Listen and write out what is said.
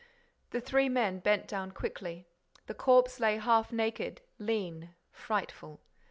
The three men bent down quickly. The corpse lay half naked, lean, frightful.